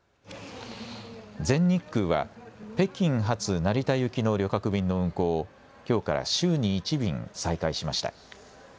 全日空は北京発成田行きの旅客便の運航をきょうから週に１便、再開しました。